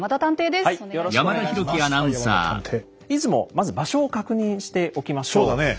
まず場所を確認しておきましょう。